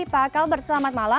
pak kalbert selamat malam